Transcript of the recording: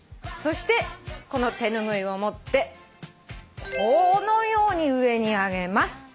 そしてこの手拭いを持ってこのように上に上げます。